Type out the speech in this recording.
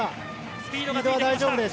スピードは大丈夫です。